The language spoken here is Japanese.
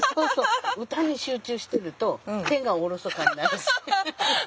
歌に集中してると手がおろそかになる。